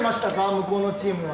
向こうのチームは。